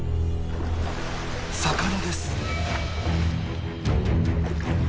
魚です。